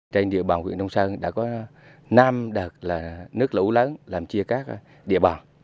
trên địa bàn huyện nông sơn đã có năm đợt là nước lũ lớn làm chia các địa bàn